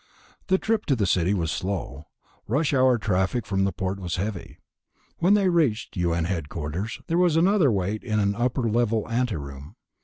The trip into the city was slow; rush hour traffic from the port was heavy. When they reached U.N. headquarters, there was another wait in an upper level ante room.